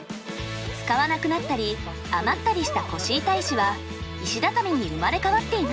使わなくなったり余ったりした腰板石は石畳に生まれ変わっています。